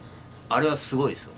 あれはすごいです。